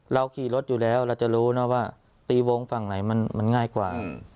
เราขี่รถอยู่แล้วเราจะรู้นะว่าตีวงฝั่งไหนมันง่ายกว่า